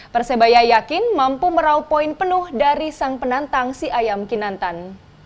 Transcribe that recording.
persebaya yakin mampu merauh poin penuh dari sang penantang si ayam kinantan